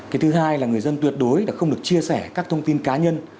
cái thứ hai là người dân tuyệt đối không được chia sẻ các thông tin cá nhân